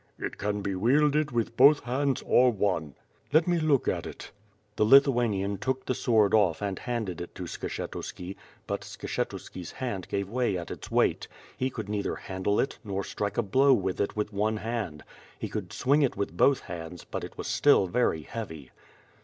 "It can be wielded with both hands or one." "Let me look at it?" The Lithuanian took the sword off and handed it to Skshet uski, but Skshetuski 's hand gave way at its weight. He could neither handle it, nor strike a blow with it with one hand. He could swing it with both hands, but it was still very heavy.